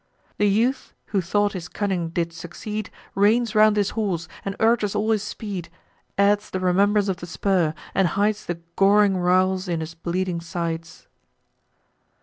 The youth, who thought his cunning did succeed, Reins round his horse, and urges all his speed; Adds the remembrance of the spur, and hides The goring rowels in his bleeding sides.